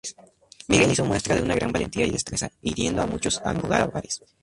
Miguel hizo muestra de una gran valentía y destreza, hiriendo a muchos almogávares.